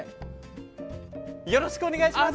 よろしくお願いします。